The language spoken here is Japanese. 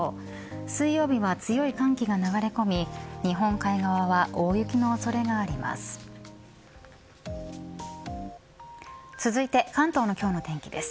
水曜日は強い寒気が流れ込み日本海側は大雪の恐れがあります。